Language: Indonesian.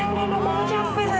oh lu foram samsmilia